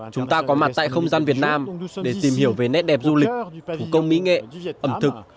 chúng ta có mặt tại không gian việt nam để tìm hiểu về nét đẹp du lịch thủ công mỹ nghệ ẩm thực